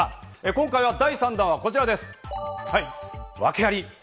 今回は第３弾、こちらです。